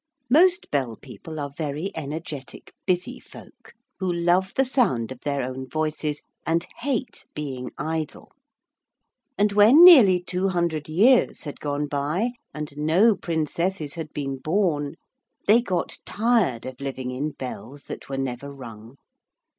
Most Bell people are very energetic busy folk, who love the sound of their own voices, and hate being idle, and when nearly two hundred years had gone by, and no princesses had been born, they got tired of living in bells that were never rung.